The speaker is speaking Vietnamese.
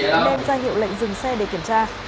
đem ra hiệu lệnh dừng xe để kiểm tra